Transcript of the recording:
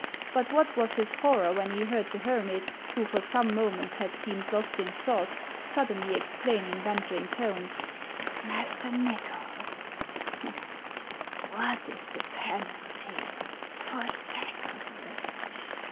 But what was his horror when he heard the hermit, who for some moments had seemed lost in thought, suddenly exclaim in bantering tones: "Master Nychol, what is the penalty for sacrilege